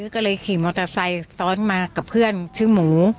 ก็เลยขี่เมาเตอร์ไซสเตอร์ซมากับเพื่อนชื่อหมู